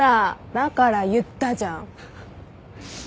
だから言ったじゃん。